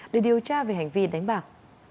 để điều tra về hành vi đánh bạc